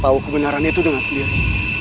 tahu kebenaran itu dengan sendiri